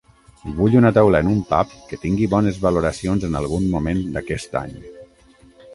Vull una taula en un pub que tingui bones valoracions en algun moment d'aquest any